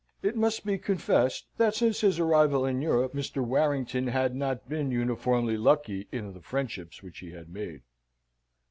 It must be confessed that, since his arrival in Europe, Mr. Warrington had not been uniformly lucky in the friendships which he had made.